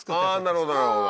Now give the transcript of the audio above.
あなるほどなるほど。